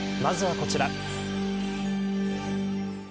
まずはこちら。